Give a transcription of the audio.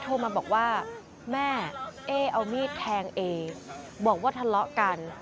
โทรมาบอกว่าแม่เอ๊เอามีดแทงเอบอกว่าทะเลาะกัน